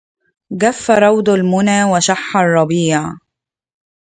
جف روض المنى وشح الربيع